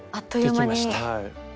できました。